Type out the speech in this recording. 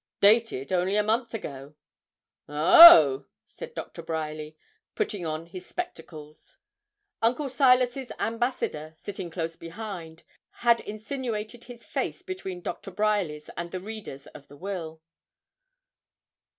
'Dated only a month ago.' 'Oh!' said Doctor Bryerly, putting on his spectacles. Uncle Silas's ambassador, sitting close behind, had insinuated his face between Doctor Bryerly's and the reader's of the will.